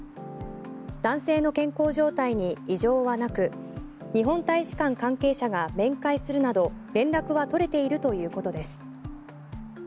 男性の健康状態に異常はなく日本大使館関係者が面会するなど連絡は取れているということです。